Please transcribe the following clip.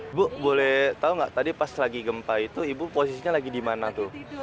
ibu boleh tahu nggak tadi pas lagi gempa itu ibu posisinya lagi di mana tuh